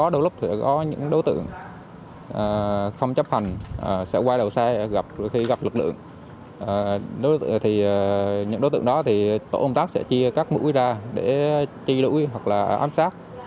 đối với những đối tượng không chấp hành sẽ quay đầu xe gặp lực lượng những đối tượng đó thì tội công tác sẽ chia các mũi ra để chi đuổi hoặc là ám sát